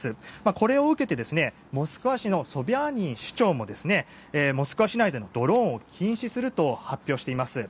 これを受けてモスクワ市のソビャーニン市長もモスクワ市内でドローンを禁止すると発表しています。